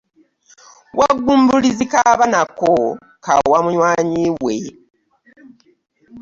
Wagumbulizi k'aba nako k'awa munywanyi we .